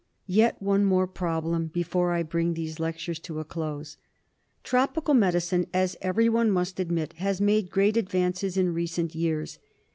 Yet one more problem before I bring these lectures to a close. Tropical medicine, as everyone must admit, has made great advances in recent years.